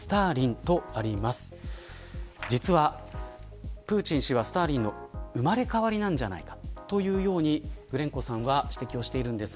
実は、プーチン氏はスターリン氏の生まれ変わりなんじゃないかというようにグレンコさんは指摘をしています。